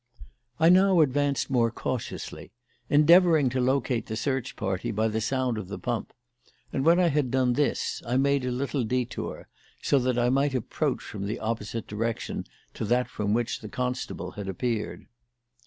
I now advanced more cautiously, endeavouring to locate the search party by the sound of the pump, and when I had done this I made a little detour so that I might approach from the opposite direction to that from which the constable had appeared.